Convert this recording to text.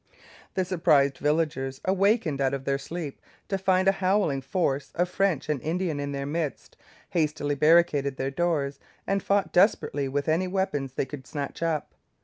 The surprised villagers, awakened out of their sleep to find a howling force of French and Indians in their midst, hastily barricaded their doors, and fought desperately with any weapons they could snatch up.